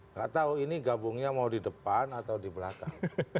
nggak tahu ini gabungnya mau di depan atau di belakang